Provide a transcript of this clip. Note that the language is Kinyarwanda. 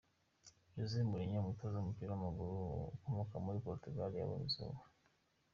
José Mourinho, umutoza w’umupira w’amaguru ukomoka muri Portugal yabonye izuba.